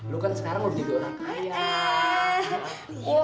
lu kan sekarang udah jadi orang kaya